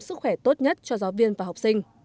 sức khỏe tốt nhất cho giáo viên và học sinh